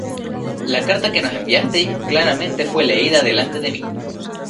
La carta que nos enviasteis claramente fué leída delante de mí.